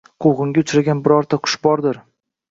quvg‘inga uchragan birorta qush bordir.